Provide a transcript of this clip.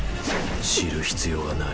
知る必要はない。